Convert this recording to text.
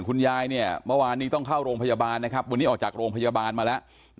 คุณยายเนี่ยเมื่อวานนี้ต้องเข้าโรงพยาบาลนะครับวันนี้ออกจากโรงพยาบาลมาแล้ว